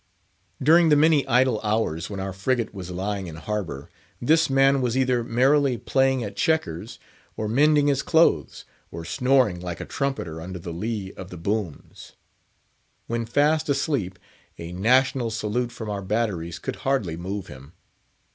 During the many idle hours when our frigate was lying in harbour, this man was either merrily playing at checkers, or mending his clothes, or snoring like a trumpeter under the lee of the booms. When fast asleep, a national salute from our batteries could hardly move him.